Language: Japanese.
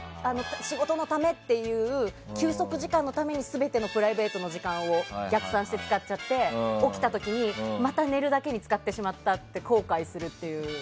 仕事のためっていう休息時間のために全てのプライベートの時間を逆算して使っちゃって起きた時に、また寝るだけに使ってしまったって後悔するっていう。